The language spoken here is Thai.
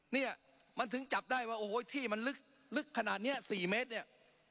เนี่ยมันถึงจับได้ว่าโอ้โหที่มันลึกขนาดนี้๔เมตรเนี่ย